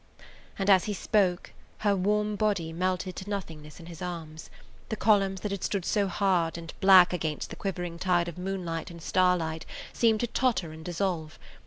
And as he spoke, her warm body melted to nothingness in his arms. The columns that had stood so hard and black against the quivering tide of moonlight and starlight seemed to totter and dissolve.